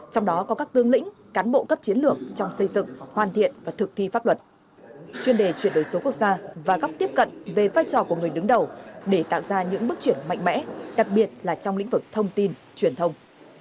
trong đó có các tướng lĩnh cán bộ cấp chiến lược trong xây dựng hoàn thiện và thực thi pháp luật chuyên đề chuyển đổi số quốc gia và góc tiếp cận về vai trò của người đứng đầu để tạo ra những bước chuyển mạnh mẽ đặc biệt là trong lĩnh vực thông tin truyền thông